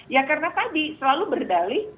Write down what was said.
ya karena tadi selalu berdalih